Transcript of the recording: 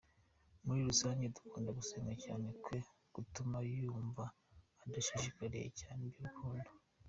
Muri rusange gukunda gusenga cyane kwe gutuma yumva adashishikariye cyane iby’urukundo.